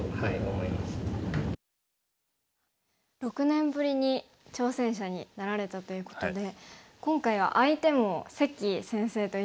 ６年ぶりに挑戦者になられたということで今回は相手も関先生ということで。